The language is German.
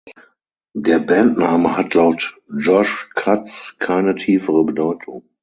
Der Bandname hat laut Josh Katz keine tiefere Bedeutung.